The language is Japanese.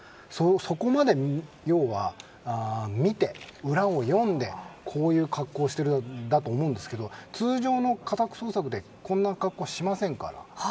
そこまで要は見て、裏を読んでこういう格好をしているんだと思うんですが通常の家宅捜索でこんな格好はしませんから。